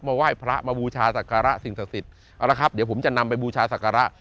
ไหว้พระมาบูชาศักระสิ่งศักดิ์สิทธิ์เอาละครับเดี๋ยวผมจะนำไปบูชาศักระ